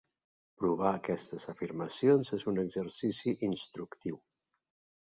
Provar aquestes afirmacions es un exercici instructiu.